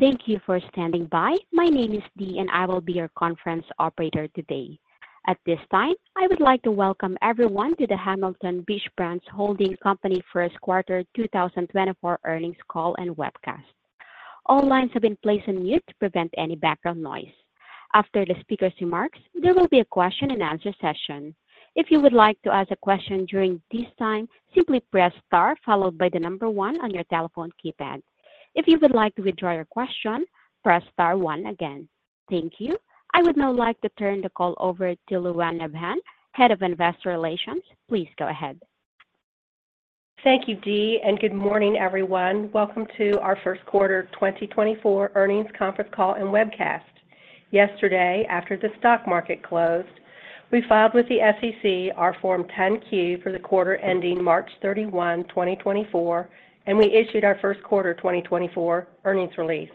Thank you for standing by. My name is Dee, and I will be your conference operator today. At this time, I would like to welcome everyone to the Hamilton Beach Brands Holding Company First Quarter 2024 Earnings Call and Webcast. All lines have been placed on mute to prevent any background noise. After the speaker's remarks, there will be a question-and-answer session. If you would like to ask a question during this time, simply press Star followed by the number one on your telephone keypad. If you would like to withdraw your question, press Star one again. Thank you. I would now like to turn the call over to Lou Anne Nabhan, Head of Investor Relations. Please go ahead. Thank you, Dee, and good morning, everyone. Welcome to our first quarter 2024 earnings conference call and webcast. Yesterday, after the stock market closed, we filed with the SEC our Form 10-Q for the quarter ending March 31, 2024, and we issued our first quarter 2024 earnings release.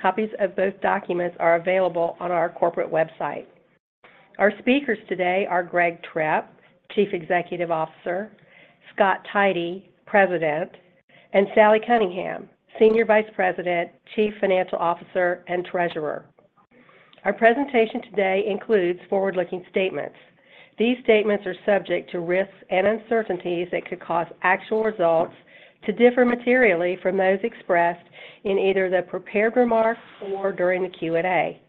Copies of those documents are available on our corporate website. Our speakers today are Greg Trepp, Chief Executive Officer, Scott Tidey, President, and Sally Cunningham, Senior Vice President, Chief Financial Officer, and Treasurer. Our presentation today includes forward-looking statements. These statements are subject to risks and uncertainties that could cause actual results to differ materially from those expressed in either the prepared remarks or during the Q&A.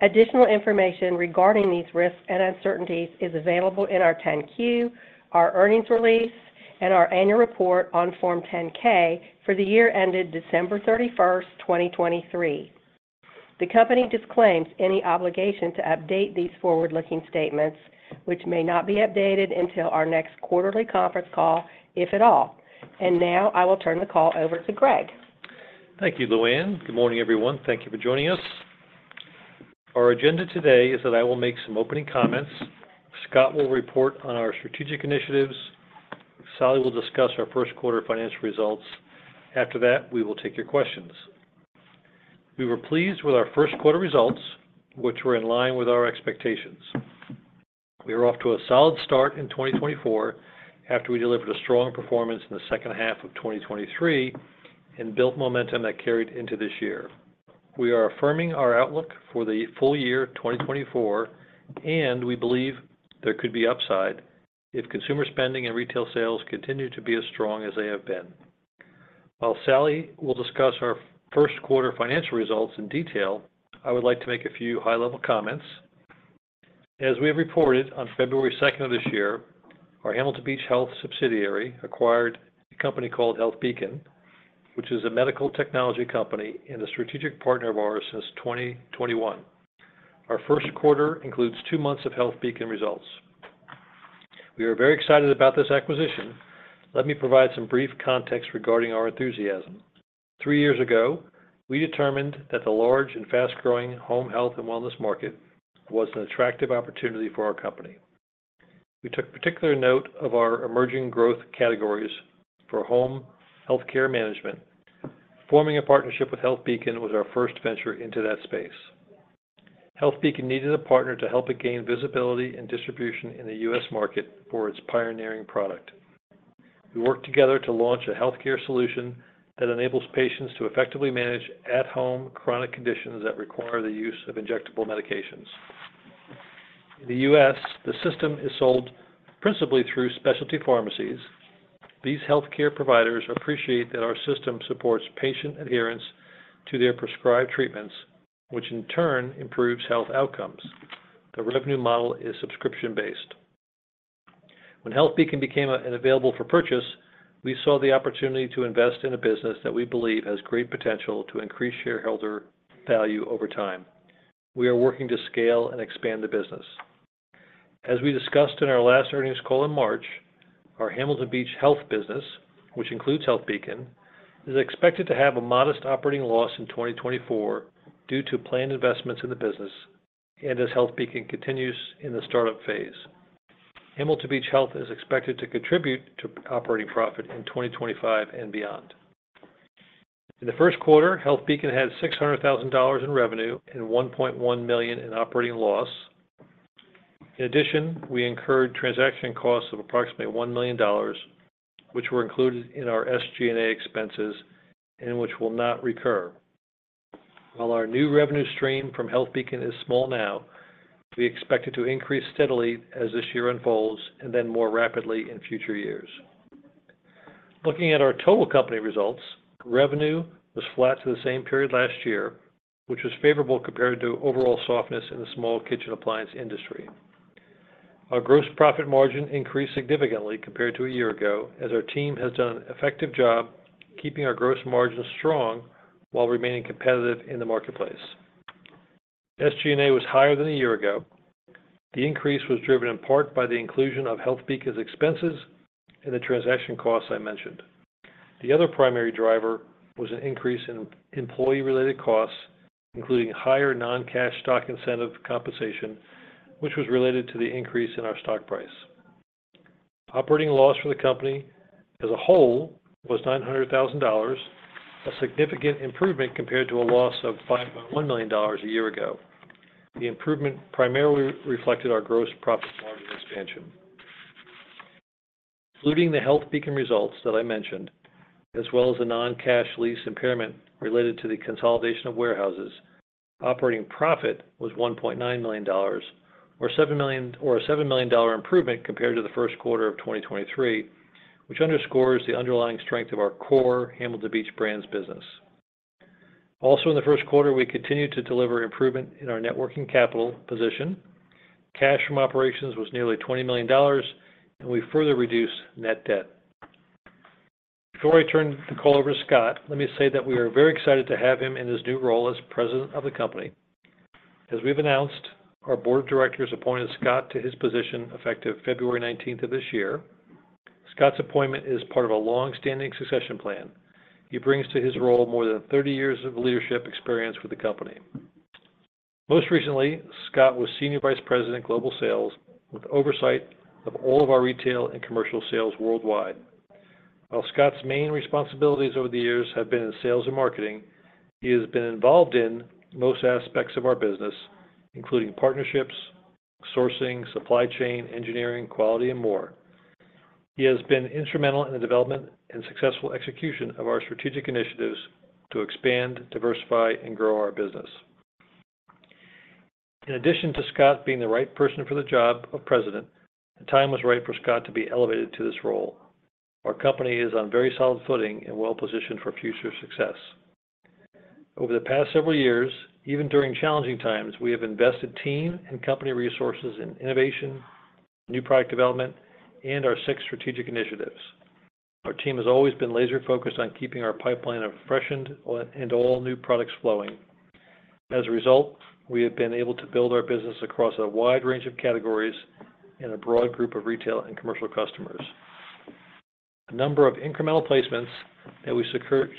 Additional information regarding these risks and uncertainties is available in our 10-Q, our earnings release, and our annual report on Form 10-K for the year ended December 31, 2023. The company disclaims any obligation to update these forward-looking statements, which may not be updated until our next quarterly conference call, if at all. And now I will turn the call over to Greg. Thank you, Lou Anne. Good morning, everyone. Thank you for joining us. Our agenda today is that I will make some opening comments. Scott will report on our strategic initiatives. Sally will discuss our first quarter financial results. After that, we will take your questions. We were pleased with our first quarter results, which were in line with our expectations. We are off to a solid start in 2024 after we delivered a strong performance in the second half of 2023 and built momentum that carried into this year. We are affirming our outlook for the full year 2024, and we believe there could be upside if consumer spending and retail sales continue to be as strong as they have been. While Sally will discuss our first quarter financial results in detail, I would like to make a few high-level comments. As we have reported on February second of this year, our Hamilton Beach Health subsidiary acquired a company called HealthBeacon, which is a medical technology company and a strategic partner of ours since 2021. Our first quarter includes two months of HealthBeacon results. We are very excited about this acquisition. Let me provide some brief context regarding our enthusiasm. Three years ago, we determined that the large and fast-growing home health and wellness market was an attractive opportunity for our company. We took particular note of our emerging growth categories for home healthcare management. Forming a partnership with HealthBeacon was our first venture into that space. HealthBeacon needed a partner to help it gain visibility and distribution in the U.S. market for its pioneering product. We worked together to launch a healthcare solution that enables patients to effectively manage at-home chronic conditions that require the use of injectable medications. In the U.S., the system is sold principally through specialty pharmacies. These healthcare providers appreciate that our system supports patient adherence to their prescribed treatments, which in turn improves health outcomes. The revenue model is subscription-based. When HealthBeacon became available for purchase, we saw the opportunity to invest in a business that we believe has great potential to increase shareholder value over time. We are working to scale and expand the business. As we discussed in our last earnings call in March, our Hamilton Beach Health business, which includes HealthBeacon, is expected to have a modest operating loss in 2024 due to planned investments in the business and as HealthBeacon continues in the startup phase. Hamilton Beach Health is expected to contribute to operating profit in 2025 and beyond. In the first quarter, HealthBeacon had $600,000 in revenue and $1.1 million in operating loss. In addition, we incurred transaction costs of approximately $1 million, which were included in our SG&A expenses and which will not recur. While our new revenue stream from HealthBeacon is small now, we expect it to increase steadily as this year unfolds and then more rapidly in future years. Looking at our total company results, revenue was flat to the same period last year, which was favorable compared to overall softness in the small kitchen appliance industry. Our gross profit margin increased significantly compared to a year ago, as our team has done an effective job keeping our gross margins strong while remaining competitive in the marketplace. SG&A was higher than a year ago. The increase was driven in part by the inclusion of HealthBeacon's expenses and the transaction costs I mentioned. The other primary driver was an increase in employee-related costs, including higher non-cash stock incentive compensation, which was related to the increase in our stock price. Operating loss for the company as a whole was $900,000, a significant improvement compared to a loss of $5.1 million a year ago. The improvement primarily reflected our gross profit margin expansion.... Including the HealthBeacon results that I mentioned, as well as the non-cash lease impairment related to the consolidation of warehouses, operating profit was $1.9 million, or seven million-- or a $7 million dollar improvement compared to the first quarter of 2023, which underscores the underlying strength of our core Hamilton Beach Brands business. Also, in the first quarter, we continued to deliver improvement in our net working capital position. Cash from operations was nearly $20 million, and we further reduced net debt. Before I turn the call over to Scott, let me say that we are very excited to have him in his new role as president of the company. As we've announced, our board of directors appointed Scott to his position effective February nineteenth of this year. Scott's appointment is part of a long-standing succession plan. He brings to his role more than 30 years of leadership experience with the company. Most recently, Scott was Senior Vice President, Global Sales, with oversight of all of our retail and commercial sales worldwide. While Scott's main responsibilities over the years have been in sales and marketing, he has been involved in most aspects of our business, including partnerships, sourcing, supply chain, engineering, quality, and more. He has been instrumental in the development and successful execution of our strategic initiatives to expand, diversify, and grow our business. In addition to Scott being the right person for the job of president, the time was right for Scott to be elevated to this role. Our company is on very solid footing and well-positioned for future success. Over the past several years, even during challenging times, we have invested team and company resources in innovation, new product development, and our six strategic initiatives. Our team has always been laser-focused on keeping our pipeline of freshened and all new products flowing. As a result, we have been able to build our business across a wide range of categories and a broad group of retail and commercial customers. A number of incremental placements that we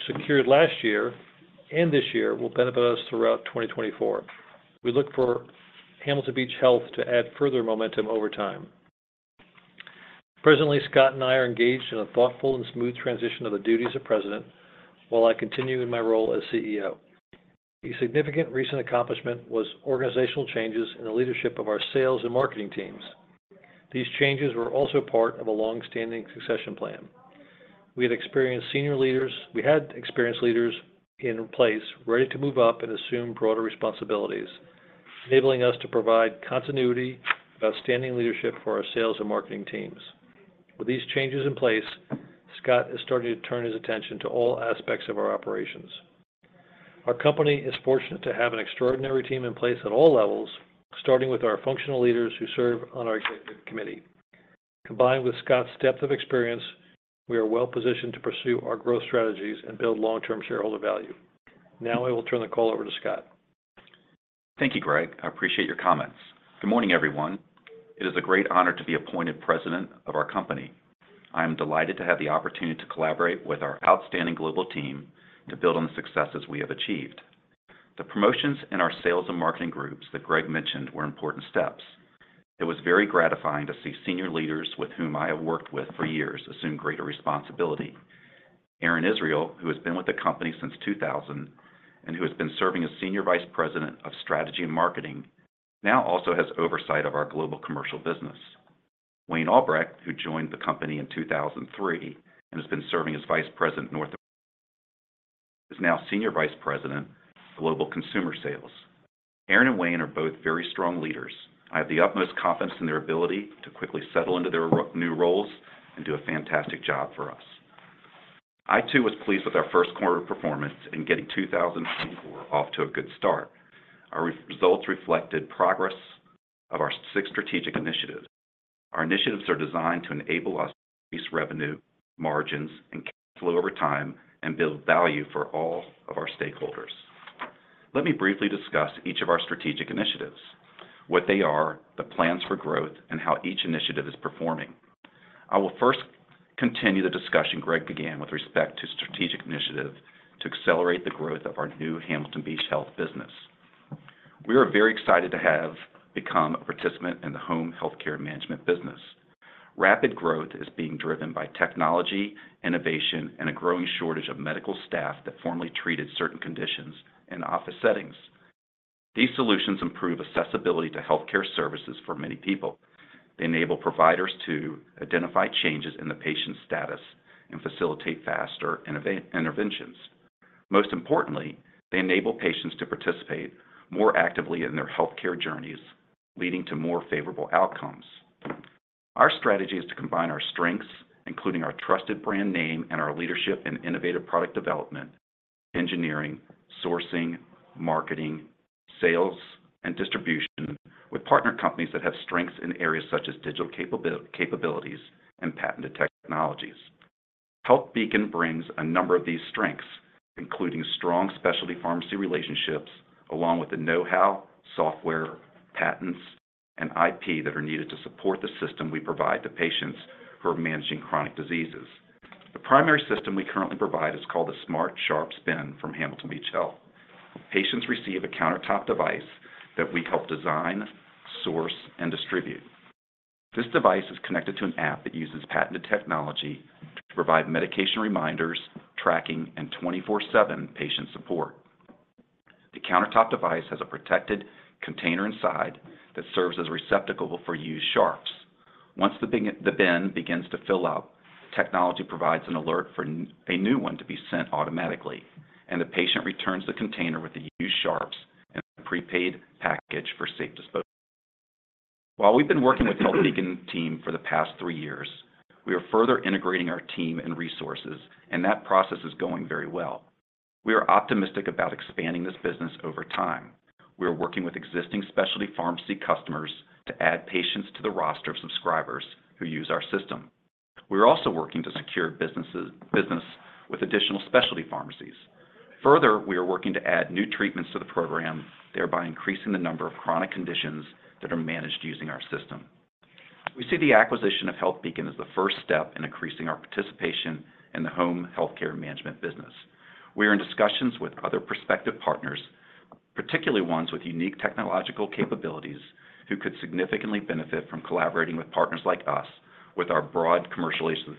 secured last year and this year will benefit us throughout 2024. We look for Hamilton Beach Health to add further momentum over time. Presently, Scott and I are engaged in a thoughtful and smooth transition of the duties of president, while I continue in my role as CEO. A significant recent accomplishment was organizational changes in the leadership of our sales and marketing teams. These changes were also part of a long-standing succession plan. We had experienced leaders in place ready to move up and assume broader responsibilities, enabling us to provide continuity and outstanding leadership for our sales and marketing teams. With these changes in place, Scott is starting to turn his attention to all aspects of our operations. Our company is fortunate to have an extraordinary team in place at all levels, starting with our functional leaders who serve on our executive committee. Combined with Scott's depth of experience, we are well-positioned to pursue our growth strategies and build long-term shareholder value. Now, I will turn the call over to Scott. Thank you, Greg. I appreciate your comments. Good morning, everyone. It is a great honor to be appointed president of our company. I am delighted to have the opportunity to collaborate with our outstanding global team to build on the successes we have achieved. The promotions in our sales and marketing groups that Greg mentioned were important steps. It was very gratifying to see senior leaders with whom I have worked with for years assume greater responsibility. Aaron Israel, who has been with the company since 2000, and who has been serving as Senior Vice President of Strategy and Marketing, now also has oversight of our global commercial business. Wayne Albrecht, who joined the company in 2003, and has been serving as Vice President, North America, is now Senior Vice President, Global Consumer Sales. Aaron and Wayne are both very strong leaders. I have the utmost confidence in their ability to quickly settle into their new roles and do a fantastic job for us. I, too, was pleased with our first quarter performance in getting 2024 off to a good start. Our results reflected progress of our six strategic initiatives. Our initiatives are designed to enable us to increase revenue, margins, and cash flow over time and build value for all of our stakeholders. Let me briefly discuss each of our strategic initiatives, what they are, the plans for growth, and how each initiative is performing. I will first continue the discussion Greg began with respect to strategic initiative to accelerate the growth of our new Hamilton Beach Health business. We are very excited to have become a participant in the home healthcare management business. Rapid growth is being driven by technology, innovation, and a growing shortage of medical staff that formerly treated certain conditions in office settings. These solutions improve accessibility to healthcare services for many people. They enable providers to identify changes in the patient's status and facilitate faster interventions. Most importantly, they enable patients to participate more actively in their healthcare journeys, leading to more favorable outcomes. Our strategy is to combine our strengths, including our trusted brand name and our leadership in innovative product development, engineering, sourcing, marketing, sales, and distribution with partner companies that have strengths in areas such as digital capabilities and patented technologies. HealthBeacon brings a number of these strengths, including strong specialty pharmacy relationships, along with the know-how, software, patents, and IP that are needed to support the system we provide to patients who are managing chronic diseases. The primary system we currently provide is called the Smart Sharps Bin from Hamilton Beach Health. Patients receive a countertop device that we help design, source, and distribute. This device is connected to an app that uses patented technology to provide medication reminders, tracking, and 24/7 patient support.... The countertop device has a protected container inside that serves as a receptacle for used sharps. Once the bin begins to fill up, technology provides an alert for a new one to be sent automatically, and the patient returns the container with the used sharps in a prepaid package for safe disposal. While we've been working with HealthBeacon team for the past three years, we are further integrating our team and resources, and that process is going very well. We are optimistic about expanding this business over time. We are working with existing specialty pharmacy customers to add patients to the roster of subscribers who use our system. We are also working to secure business with additional specialty pharmacies. Further, we are working to add new treatments to the program, thereby increasing the number of chronic conditions that are managed using our system. We see the acquisition of HealthBeacon as the first step in increasing our participation in the home healthcare management business. We are in discussions with other prospective partners, particularly ones with unique technological capabilities, who could significantly benefit from collaborating with partners like us with our broad commercialization.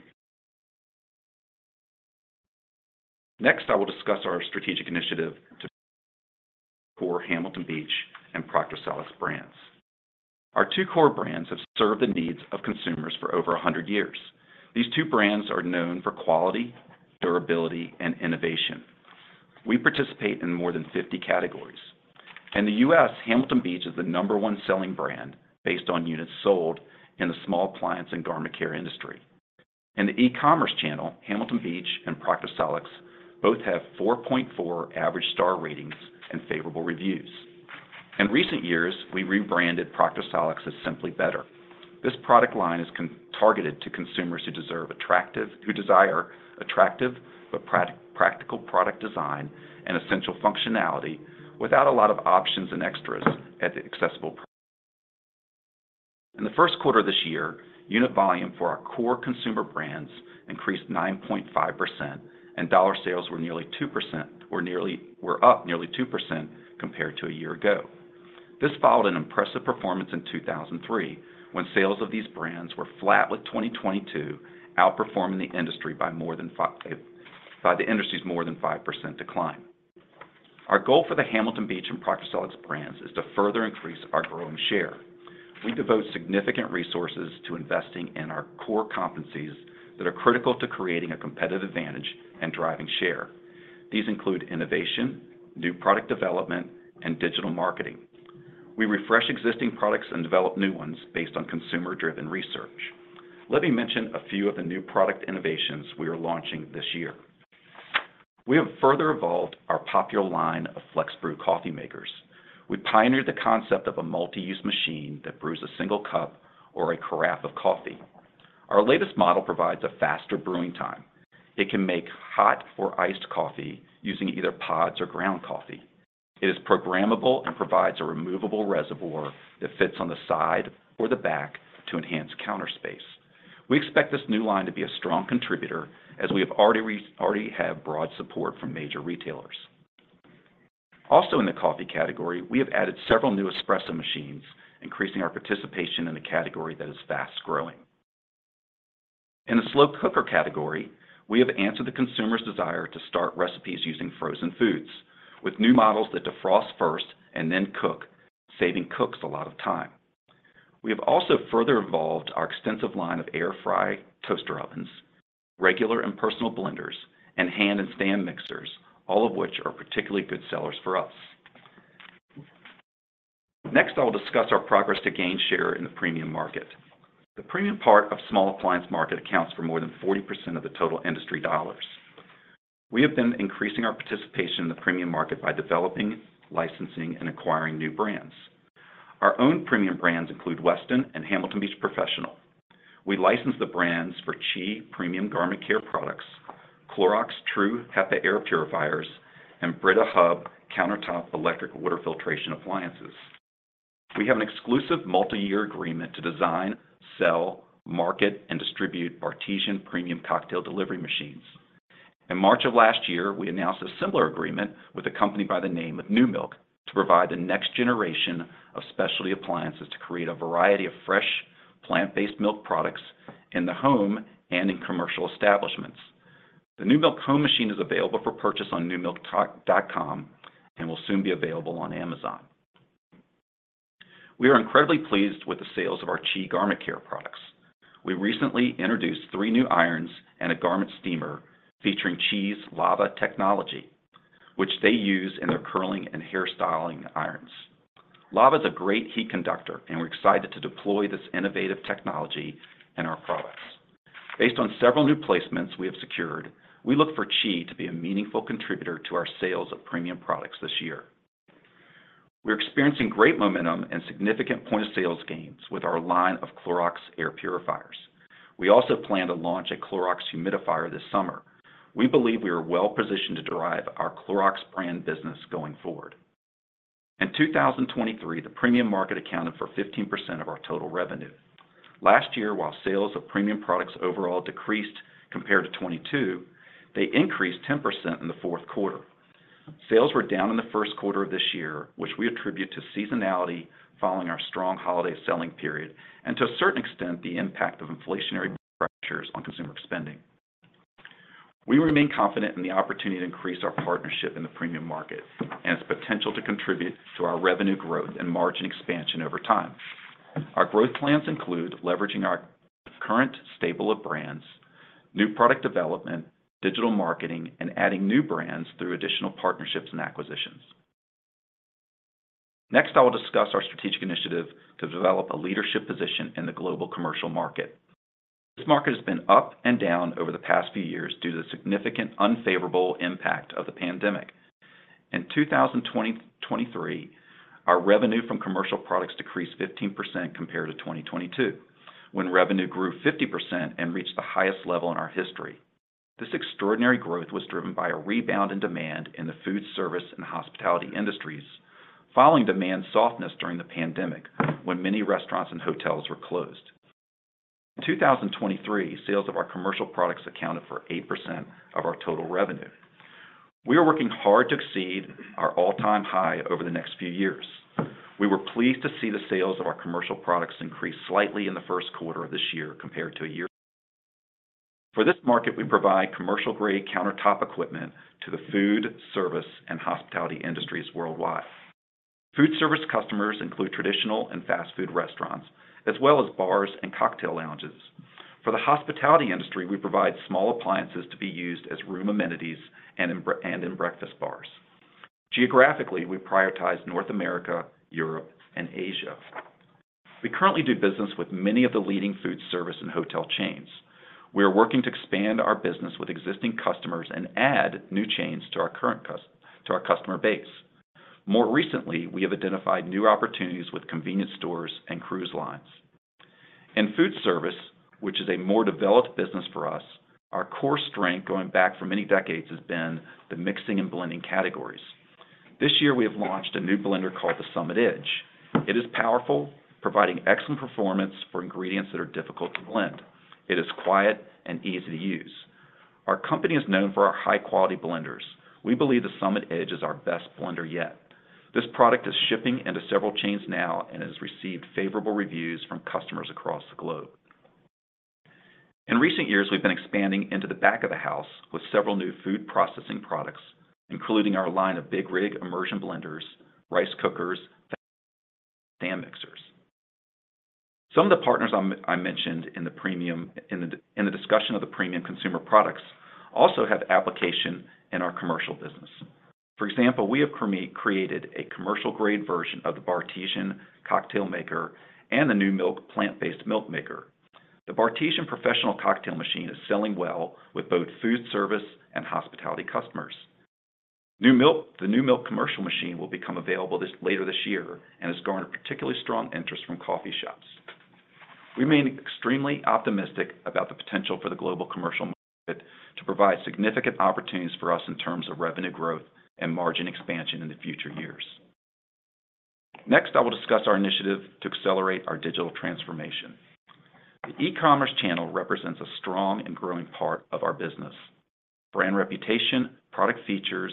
Next, I will discuss our strategic initiative to core Hamilton Beach and Proctor Silex brands. Our two core brands have served the needs of consumers for over a hundred years. These two brands are known for quality, durability, and innovation. We participate in more than 50 categories. In the U.S., Hamilton Beach is the number one selling brand based on units sold in the small appliances and garment care industry. In the e-commerce channel, Hamilton Beach and Proctor Silex both have 4.4 average star ratings and favorable reviews. In recent years, we rebranded Proctor Silex as Simply Better. This product line is targeted to consumers who desire attractive but practical product design and essential functionality without a lot of options and extras at the accessible price. In the first quarter of this year, unit volume for our core consumer brands increased 9.5%, and dollar sales were up nearly 2% compared to a year ago. This followed an impressive performance in 2023, when sales of these brands were flat with 2022, outperforming the industry by more than the industry's 5% decline. Our goal for the Hamilton Beach and Proctor Silex brands is to further increase our growing share. We devote significant resources to investing in our core competencies that are critical to creating a competitive advantage and driving share. These include innovation, new product development, and digital marketing. We refresh existing products and develop new ones based on consumer-driven research. Let me mention a few of the new product innovations we are launching this year. We have further evolved our popular line of FlexBrew coffee makers. We pioneered the concept of a multi-use machine that brews a single cup or a carafe of coffee. Our latest model provides a faster brewing time. It can make hot or iced coffee using either pods or ground coffee. It is programmable and provides a removable reservoir that fits on the side or the back to enhance counter space. We expect this new line to be a strong contributor, as we have already have broad support from major retailers. Also, in the coffee category, we have added several new espresso machines, increasing our participation in the category that is fast-growing. In the slow cooker category, we have answered the consumer's desire to start recipes using frozen foods, with new models that defrost first and then cook, saving cooks a lot of time. We have also further evolved our extensive line of air fry toaster ovens, regular and personal blenders, and hand and stand mixers, all of which are particularly good sellers for us Next, I will discuss our progress to gain share in the premium market. The premium part of small appliance market accounts for more than 40% of the total industry dollars. We have been increasing our participation in the premium market by developing, licensing, and acquiring new brands. Our own premium brands include Weston and Hamilton Beach Professional. We license the brands for CHI Premium Garment Care products, Clorox True HEPA Air Purifiers, and Brita Hub countertop electric water filtration appliances. We have an exclusive multi-year agreement to design, sell, market, and distribute Bartesian premium cocktail delivery machines. In March of last year, we announced a similar agreement with a company by the name of Numilk to provide the next generation of specialty appliances to create a variety of fresh, plant-based milk products in the home and in commercial establishments. The Numilk home machine is available for purchase on numilk.com and will soon be available on Amazon. We are incredibly pleased with the sales of our CHI Garment Care products. We recently introduced three new irons and a garment steamer featuring CHI's Lava technology, which they use in their curling and hairstyling irons. Lava is a great heat conductor, and we're excited to deploy this innovative technology in our products. Based on several new placements we have secured, we look for CHI to be a meaningful contributor to our sales of premium products this year. We're experiencing great momentum and significant point of sales gains with our line of Clorox air purifiers. We also plan to launch a Clorox humidifier this summer. We believe we are well positioned to derive our Clorox brand business going forward. In 2023, the premium market accounted for 15% of our total revenue. Last year, while sales of premium products overall decreased compared to 2022, they increased 10% in the fourth quarter. Sales were down in the first quarter of this year, which we attribute to seasonality following our strong holiday selling period and, to a certain extent, the impact of inflationary pressures on consumer spending... We remain confident in the opportunity to increase our partnership in the premium market and its potential to contribute to our revenue growth and margin expansion over time. Our growth plans include leveraging our current stable of brands, new product development, digital marketing, and adding new brands through additional partnerships and acquisitions. Next, I will discuss our strategic initiative to develop a leadership position in the global commercial market. This market has been up and down over the past few years due to the significant unfavorable impact of the pandemic. In 2023, our revenue from commercial products decreased 15% compared to 2022, when revenue grew 50% and reached the highest level in our history. This extraordinary growth was driven by a rebound in demand in the food service and hospitality industries, following demand softness during the pandemic when many restaurants and hotels were closed. In 2023, sales of our commercial products accounted for 8% of our total revenue. We are working hard to exceed our all-time high over the next few years. We were pleased to see the sales of our commercial products increase slightly in the first quarter of this year compared to a year. For this market, we provide commercial-grade countertop equipment to the food, service, and hospitality industries worldwide. Food service customers include traditional and fast food restaurants, as well as bars and cocktail lounges. For the hospitality industry, we provide small appliances to be used as room amenities and in breakfast bars. Geographically, we prioritize North America, Europe, and Asia. We currently do business with many of the leading food service and hotel chains. We are working to expand our business with existing customers and add new chains to our customer base. More recently, we have identified new opportunities with convenience stores and cruise lines. In food service, which is a more developed business for us, our core strength, going back for many decades, has been the mixing and blending categories. This year, we have launched a new blender called the Summit Edge. It is powerful, providing excellent performance for ingredients that are difficult to blend. It is quiet and easy to use. Our company is known for our high-quality blenders. We believe the Summit Edge is our best blender yet. This product is shipping into several chains now and has received favorable reviews from customers across the globe. In recent years, we've been expanding into the back of the house with several new food processing products, including our line of Big Rig immersion blenders, rice cookers, and mixers. Some of the partners I mentioned in the discussion of the premium consumer products also have application in our commercial business. For example, we have created a commercial-grade version of the Bartesian Cocktail Maker and the Numilk Plant-Based Milk Maker. The Bartesian professional cocktail machine is selling well with both food service and hospitality customers. Numilk, the Numilk commercial machine, will become available later this year and has garnered particularly strong interest from coffee shops. We remain extremely optimistic about the potential for the global commercial market to provide significant opportunities for us in terms of revenue growth and margin expansion in the future years. Next, I will discuss our initiative to accelerate our digital transformation. The e-commerce channel represents a strong and growing part of our business. Brand reputation, product features,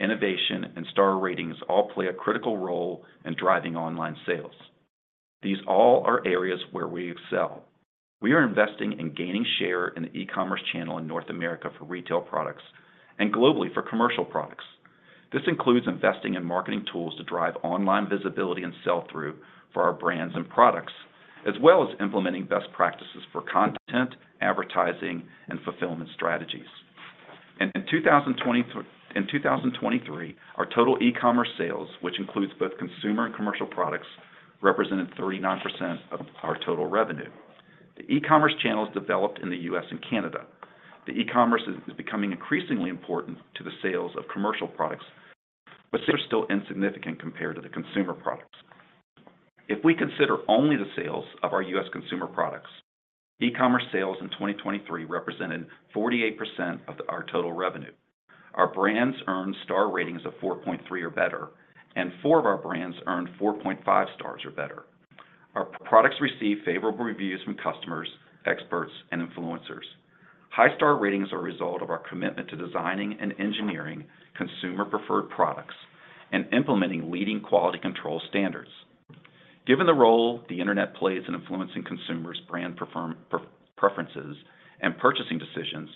innovation, and star ratings all play a critical role in driving online sales. These all are areas where we excel. We are investing in gaining share in the e-commerce channel in North America for retail products and globally for commercial products. This includes investing in marketing tools to drive online visibility and sell-through for our brands and products, as well as implementing best practices for content, advertising, and fulfillment strategies. In 2023, our total e-commerce sales, which includes both consumer and commercial products, represented 39% of our total revenue. The e-commerce channel is developed in the U.S. and Canada. The e-commerce is becoming increasingly important to the sales of commercial products, but they are still insignificant compared to the consumer products. If we consider only the sales of our U.S. consumer products, e-commerce sales in 2023 represented 48% of our total revenue. Our brands earned star ratings of 4.3 or better, and four of our brands earned 4.5 stars or better. Our products receive favorable reviews from customers, experts, and influencers. High star ratings are a result of our commitment to designing and engineering consumer-preferred products and implementing leading quality control standards. Given the role the internet plays in influencing consumers' brand preferences and purchasing decisions,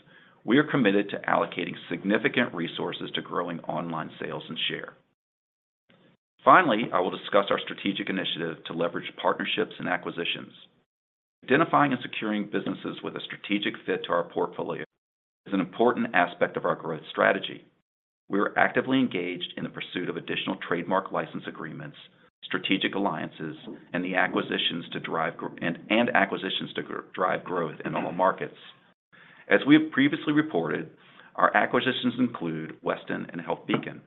we are committed to allocating significant resources to growing online sales and share. Finally, I will discuss our strategic initiative to leverage partnerships and acquisitions. Identifying and securing businesses with a strategic fit to our portfolio is an important aspect of our growth strategy. We are actively engaged in the pursuit of additional trademark license agreements, strategic alliances, and acquisitions to drive growth in all markets. As we have previously reported, our acquisitions include Weston and HealthBeacon.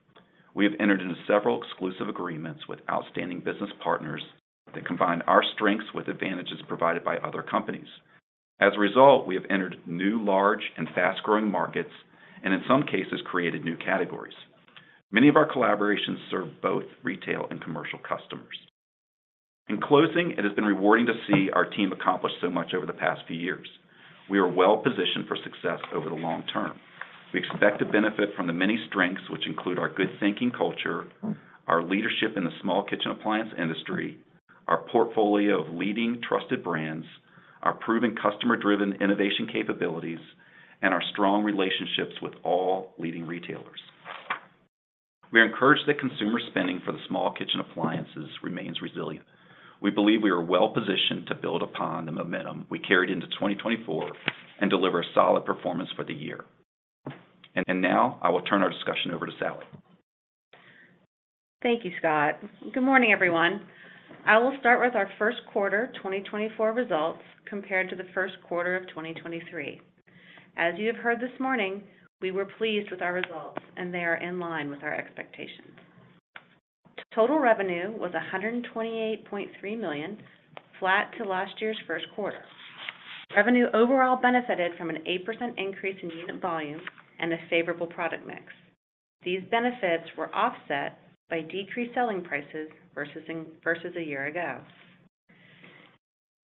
We have entered into several exclusive agreements with outstanding business partners that combine our strengths with advantages provided by other companies. As a result, we have entered new, large, and fast-growing markets and, in some cases, created new categories. Many of our collaborations serve both retail and commercial customers. In closing, it has been rewarding to see our team accomplish so much over the past few years. We are well positioned for success over the long term. We expect to benefit from the many strengths, which include our good thinking culture, our leadership in the small kitchen appliance industry, our portfolio of leading trusted brands, our proven customer-driven innovation capabilities, and our strong relationships with all leading retailers. We are encouraged that consumer spending for the small kitchen appliances remains resilient. We believe we are well-positioned to build upon the momentum we carried into 2024, and deliver a solid performance for the year. Now, I will turn our discussion over to Sally. Thank you, Scott. Good morning, everyone. I will start with our first quarter 2024 results compared to the first quarter of 2023. As you have heard this morning, we were pleased with our results, and they are in line with our expectations. Total revenue was $128.3 million, flat to last year's first quarter. Revenue overall benefited from an 8% increase in unit volume and a favorable product mix. These benefits were offset by decreased selling prices versus a year ago.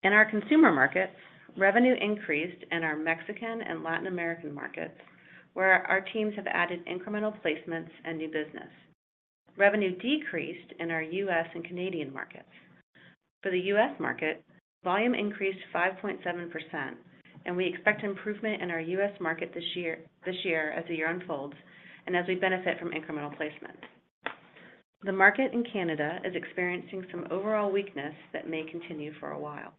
In our consumer markets, revenue increased in our Mexican and Latin American markets, where our teams have added incremental placements and new business. Revenue decreased in our U.S. and Canadian markets. For the U.S. market, volume increased 5.7%, and we expect improvement in our U.S. market this year, this year as the year unfolds, and as we benefit from incremental placements. The market in Canada is experiencing some overall weakness that may continue for a while.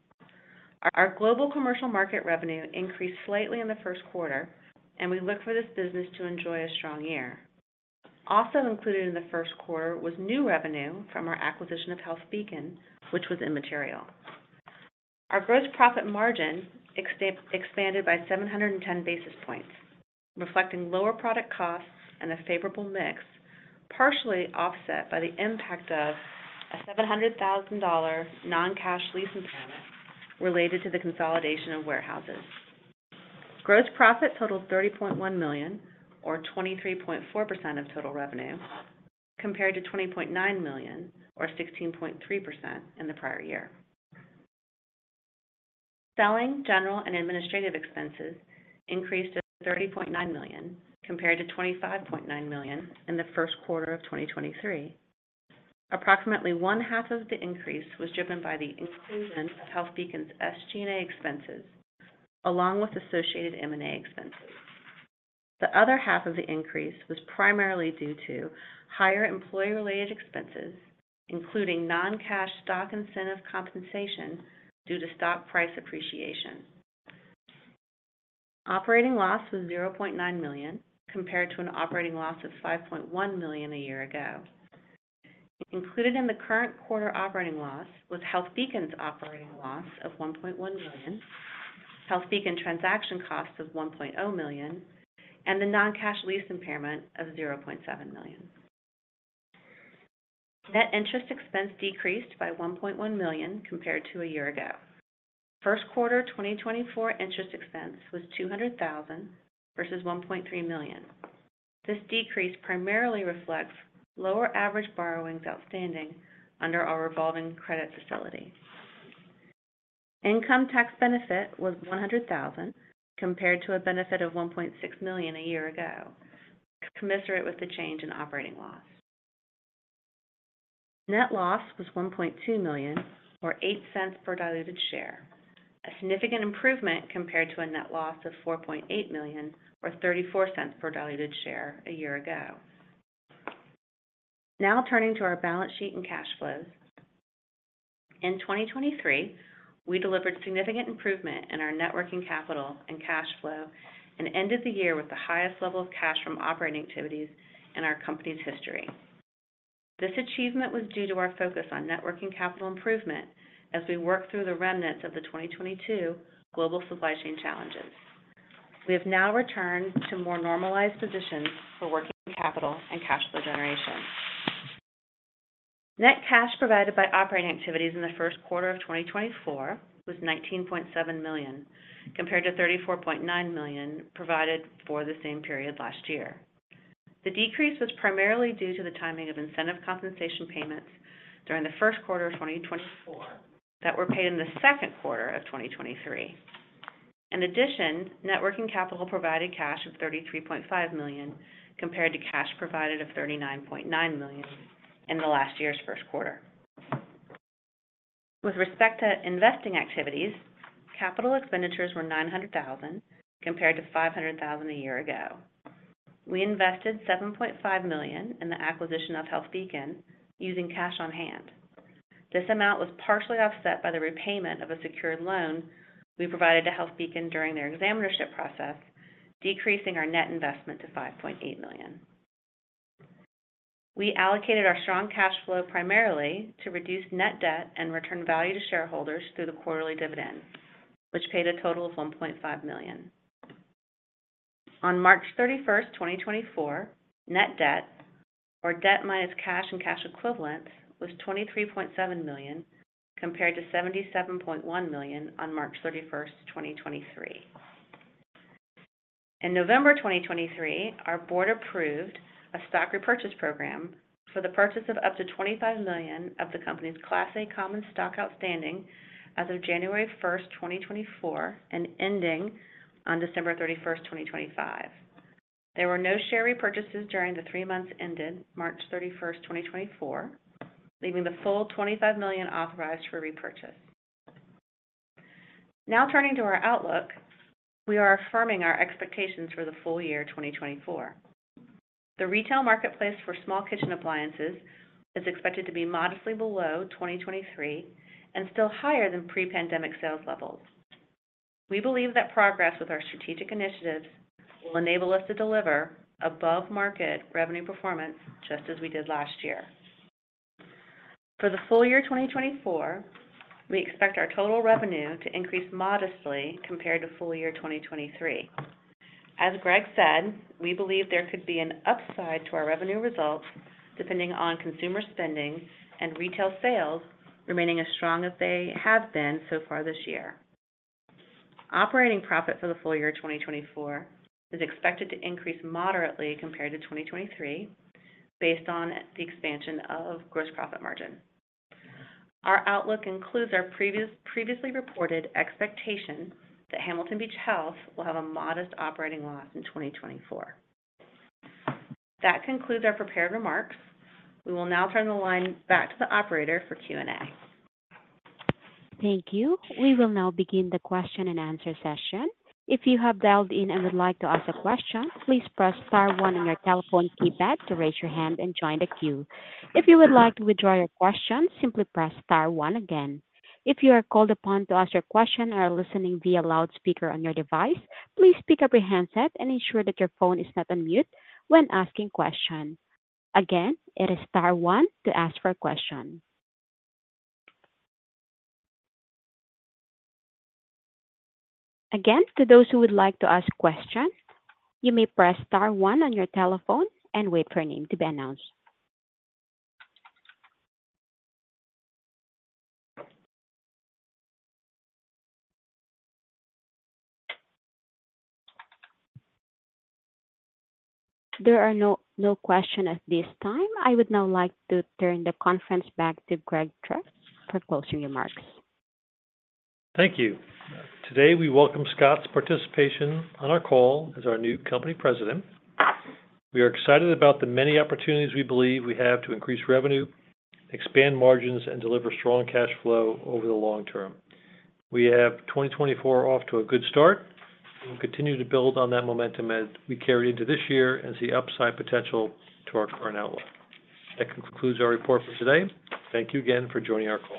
Our global commercial market revenue increased slightly in the first quarter, and we look for this business to enjoy a strong year. Also included in the first quarter was new revenue from our acquisition of HealthBeacon, which was immaterial. Our gross profit margin expanded by 710 basis points, reflecting lower product costs and a favorable mix, partially offset by the impact of a $700,000 non-cash lease impairment related to the consolidation of warehouses. Gross profit totaled $30.1 million or 23.4% of total revenue, compared to $20.9 million or 16.3% in the prior year. Selling, general, and administrative expenses increased to $30.9 million, compared to $25.9 million in the first quarter of 2023. Approximately one half of the increase was driven by the inclusion of HealthBeacon's SG&A expenses, along with associated M&A expenses. The other half of the increase was primarily due to higher employee-related expenses, including non-cash stock incentive compensation due to stock price appreciation. Operating loss was $0.9 million, compared to an operating loss of $5.1 million a year ago. Included in the current quarter operating loss was HealthBeacon's operating loss of $1.1 million, HealthBeacon transaction costs of $1 million, and the non-cash lease impairment of $0.7 million. Net interest expense decreased by $1.1 million compared to a year ago. First quarter 2024 interest expense was $200,000 versus $1.3 million. This decrease primarily reflects lower average borrowings outstanding under our revolving credit facility. Income tax benefit was $100,000, compared to a benefit of $1.6 million a year ago, commensurate with the change in operating loss. Net loss was $1.2 million or $0.08 per diluted share, a significant improvement compared to a net loss of $4.8 million or $0.34 per diluted share a year ago. Now, turning to our balance sheet and cash flows. In 2023, we delivered significant improvement in our net working capital and cash flow, and ended the year with the highest level of cash from operating activities in our company's history. This achievement was due to our focus on net working capital improvement as we worked through the remnants of the 2022 global supply chain challenges. We have now returned to more normalized positions for working capital and cash flow generation. Net cash provided by operating activities in the first quarter of 2024 was $19.7 million, compared to $34.9 million provided for the same period last year. The decrease was primarily due to the timing of incentive compensation payments during the first quarter of 2024 that were paid in the second quarter of 2023. In addition, net working capital provided cash of $33.5 million, compared to cash provided of $39.9 million in the last year's first quarter. With respect to investing activities, capital expenditures were $900,000, compared to $500,000 a year ago. We invested $7.5 million in the acquisition of HealthBeacon using cash on hand. This amount was partially offset by the repayment of a secured loan we provided to HealthBeacon during their examinership process, decreasing our net investment to $5.8 million. We allocated our strong cash flow primarily to reduce net debt and return value to shareholders through the quarterly dividend, which paid a total of $1.5 million. On March 31, 2024, net debt or debt minus cash and cash equivalents, was $23.7 million, compared to $77.1 million on March 31, 2023. In November 2023, our board approved a stock repurchase program for the purchase of up to $25 million of the company's Class A common stock outstanding as of January 1, 2024, and ending on December 31, 2025....There were no share repurchases during the three months ended March 31, 2024, leaving the full $25 million authorized for repurchase. Now turning to our outlook, we are affirming our expectations for the full year, 2024. The retail marketplace for small kitchen appliances is expected to be modestly below 2023 and still higher than pre-pandemic sales levels. We believe that progress with our strategic initiatives will enable us to deliver above-market revenue performance, just as we did last year. For the full year, 2024, we expect our total revenue to increase modestly compared to full year 2023. As Greg said, we believe there could be an upside to our revenue results, depending on consumer spending and retail sales remaining as strong as they have been so far this year. Operating profit for the full year, 2024, is expected to increase moderately compared to 2023, based on the expansion of gross profit margin. Our outlook includes our previously reported expectation that Hamilton Beach Health will have a modest operating loss in 2024. That concludes our prepared remarks. We will now turn the line back to the operator for Q&A. Thank you. We will now begin the question-and-answer session. If you have dialed in and would like to ask a question, please press star one on your telephone keypad to raise your hand and join the queue. If you would like to withdraw your question, simply press star one again. If you are called upon to ask your question or are listening via loudspeaker on your device, please pick up your handset and ensure that your phone is not on mute when asking questions. Again, it is star one to ask for a question. Again, to those who would like to ask questions, you may press star one on your telephone and wait for your name to be announced. There are no questions at this time. I would now like to turn the conference back to Greg Trepp for closing remarks. Thank you. Today, we welcome Scott's participation on our call as our new company president. We are excited about the many opportunities we believe we have to increase revenue, expand margins, and deliver strong cash flow over the long term. We have 2024 off to a good start, and we'll continue to build on that momentum as we carry into this year and see upside potential to our current outlook. That concludes our report for today. Thank you again for joining our call.